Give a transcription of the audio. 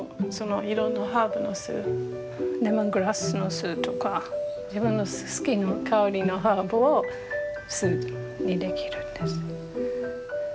いろんなハーブの酢レモングラスの酢とか自分の好きな香りのハーブを酢にできるんです。